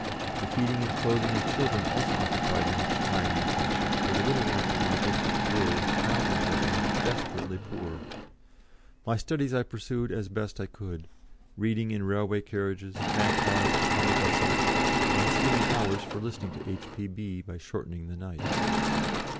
The feeding and clothing of children also occupied much time and attention, for the little ones in my district were, thousands of them, desperately poor. My studies I pursued as best I could, reading in railway carriages, tramcars, omnibuses, and stealing hours for listening to H.P.B. by shortening the nights.